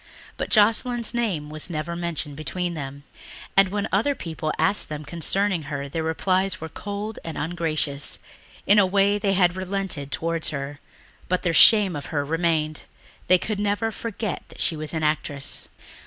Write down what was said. But Joscelyn's name was never mentioned between them, and when other people asked them concerning her their replies were cold and ungracious. In a way they had relented towards her, but their shame of her remained. They could never forget that she was an actress.